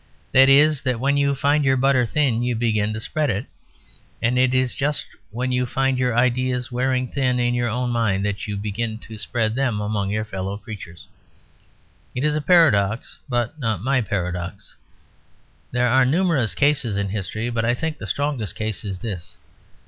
That is, that when you find your butter thin, you begin to spread it. And it is just when you find your ideas wearing thin in your own mind that you begin to spread them among your fellow creatures. It is a paradox; but not my paradox. There are numerous cases in history; but I think the strongest case is this.